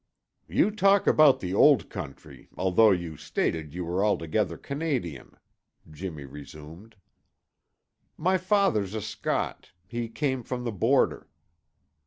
"You talk about the Old Country, although you stated you were altogether Canadian," Jimmy resumed. "My father's a Scot. He came from the Border."